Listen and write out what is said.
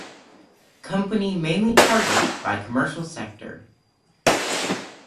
Company mainly target by commercial sector.